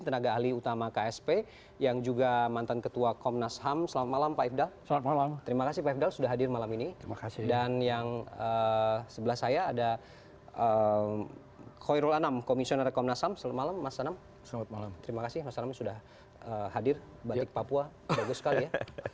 terima kasih mas anam sudah hadir balik papua bagus sekali ya